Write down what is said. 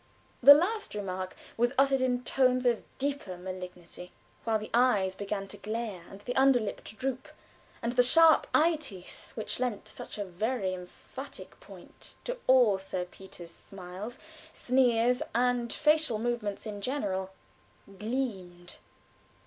The last remark was uttered in tones of deeper malignity, while the eyes began to glare, and the under lip to droop, and the sharp eye teeth, which lent such a very emphatic point to all Sir Peter's smiles, sneers, and facial movements in general, gleamed.